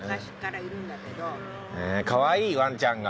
かわいいワンちゃんが。